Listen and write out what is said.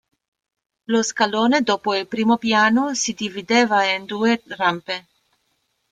Lo scalone, dopo il primo piano, si divideva in due rampe.